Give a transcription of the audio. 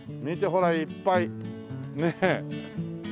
ほらいっぱいねえ。